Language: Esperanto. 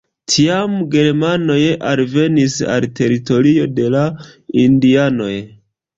Tiam germanoj alvenis al teritorio de la indianoj.